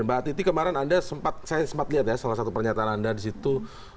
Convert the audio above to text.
mbak titi kemarin saya sempat lihat salah satu pernyataan anda di situ